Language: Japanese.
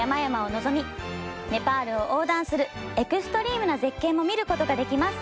ネパールを横断するエクストリームな絶景も見ることができます。